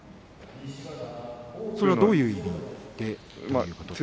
それはどういう意味ですか。